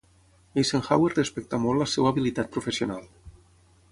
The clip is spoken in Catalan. Eisenhower respectà molt la seva habilitat professional.